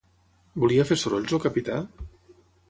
Volia fer sorolls el capità?